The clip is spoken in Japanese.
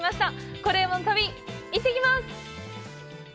「コレうまの旅」、行ってきます。